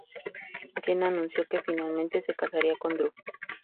Jenna anuncio que finalmente se casaría con Drew.